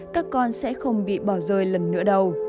các con sẽ không bị bỏ rơi lần nữa đầu